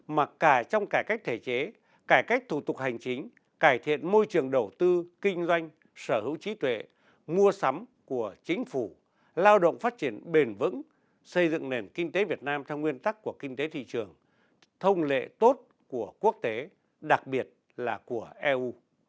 mà cả trong cải cách thể chế cải cách thủ tục hành chính cải thiện môi trường đầu tư kinh doanh sở hữu trí tuệ mua sắm của chính phủ lao động phát triển bền vững xây dựng nền kinh tế việt nam theo nguyên tắc của kinh tế thị trường thông lệ tốt của quốc tế đặc biệt là của eu